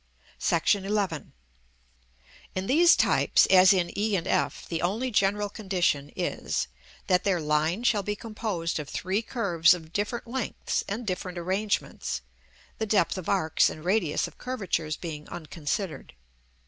§ XI. In these types, as in e and f, the only general condition is, that their line shall be composed of three curves of different lengths and different arrangements (the depth of arcs and radius of curvatures being unconsidered).